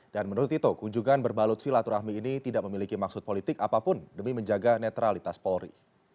dan menurut tito kunjungan berbalut silaturahmi ini tidak memiliki maksud politik apapun demi menjaga netralitas polri